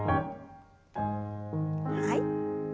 はい。